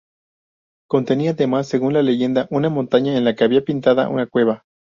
Contenía además, según la leyenda, una montaña en la que había pintada una cueva.